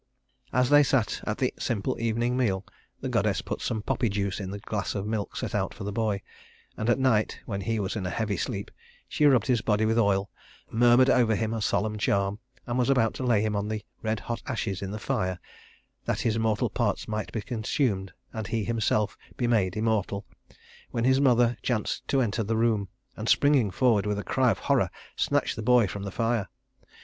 As they sat at the simple evening meal, the goddess put some poppy juice in the glass of milk set out for the boy; and that night, when he was in a heavy sleep, she rubbed his body with oil, murmured over him a solemn charm, and was about to lay him on the red hot ashes in the fire that his mortal parts might be consumed and he himself be made immortal when his mother chanced to enter the room, and springing forward with a cry of horror, snatched the boy from the fire.